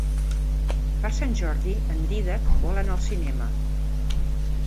Per Sant Jordi en Dídac vol anar al cinema.